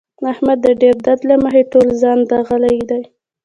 احمد د ډېر درد له مخې ټول ځان داغلی دی.